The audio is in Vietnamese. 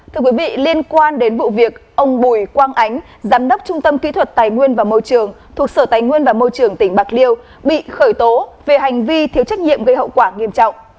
thưa quý vị liên quan đến vụ việc ông bùi quang ánh giám đốc trung tâm kỹ thuật tài nguyên và môi trường thuộc sở tài nguyên và môi trường tỉnh bạc liêu bị khởi tố về hành vi thiếu trách nhiệm gây hậu quả nghiêm trọng